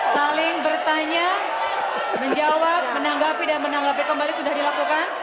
saling bertanya menjawab menanggapi dan menanggapi kembali sudah dilakukan